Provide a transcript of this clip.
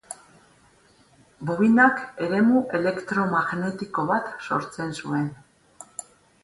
Bobinak eremu elektromagnetiko bat sortzen zuen.